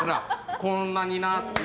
こんなになって。